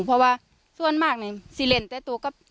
พอว่าส่วนมากนึงสีเลนได้ตัวก็